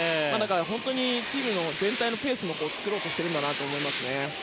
本当にチーム全体のペースも作ろうとしていると思います。